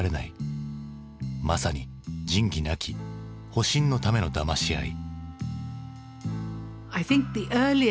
まさに仁義なき保身のためのだまし合い。